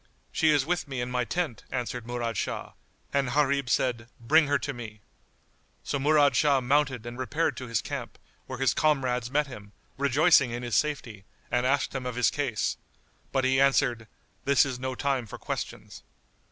"She is with me in my tent," answered Murad Shah; and Gharib said, "Bring her to me." So Murad Shah mounted and repaired to his camp, where his comrades met him, rejoicing in his safety, and asked him of his case; but he answered, "This is no time for questions."